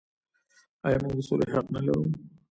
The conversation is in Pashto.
آیا موږ د سولې حق نلرو؟